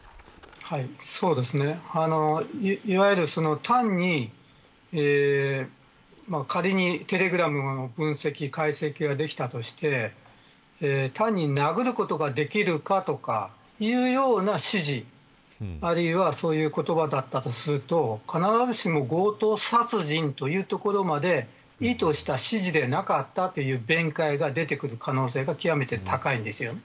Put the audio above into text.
いわゆる単に仮にテレグラムの分析、解析ができたとして単に殴ることができるかとかいうような指示あるいはそういう言葉だったとすると必ずしも強盗殺人というところまで意図した指示ではなかったという弁解が出てくる可能性が極めて高いんですよ。